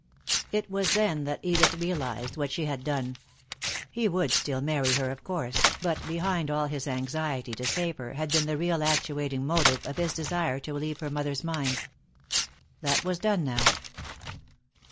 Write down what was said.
It was then that Edith realized what she had done. He would still marry her, of course, but behind all his anxiety to save her had been the real actuating motive of his desire to relieve her mother's mind. That was done now.